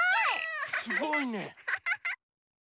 すごいね！